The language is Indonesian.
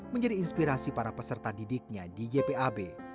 menjadi inspirasi para peserta didiknya di ypab